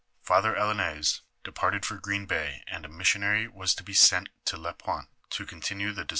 Father Allouez departed for Green Bay, and a missionary was to be sent to Lapointe to continue the dis » Sel.